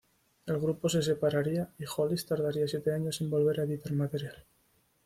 El grupo se separaría y Hollis tardaría siete años en volver a editar material.